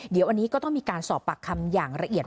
เดี๋ยวอันนี้ก็ต้องมีการสอบปากคำอย่างละเอียด